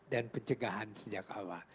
dan pencegahan sejak awal